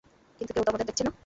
কিন্তু কেউ তো আমাদের দেখছে না।